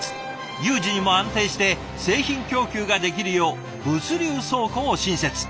有事にも安定して製品供給ができるよう物流倉庫を新設。